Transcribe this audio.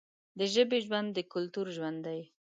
د ژبې ژوند د کلتور ژوند دی.